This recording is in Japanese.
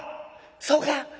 「そうか。